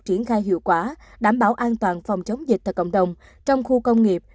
triển khai hiệu quả đảm bảo an toàn phòng chống dịch tại cộng đồng trong khu công nghiệp